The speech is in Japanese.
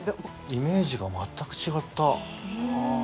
イメージが全く違った。